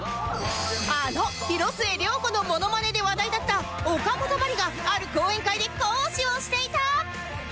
あの広末涼子のモノマネで話題だったおかもとまりがある講演会で講師をしていた